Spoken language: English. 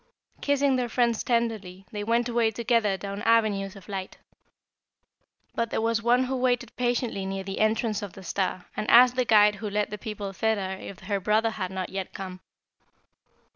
Kissing their friends tenderly, they went away together down avenues of light. But there was one who waited patiently near the entrance of the star and asked the guide who led the people thither if her brother had not yet come.